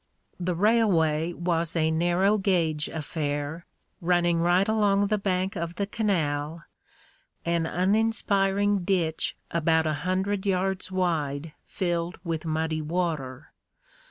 The railway was a narrow gauge affair, running right along the bank of the canal, an uninspiring ditch about a hundred yards wide filled with muddy water.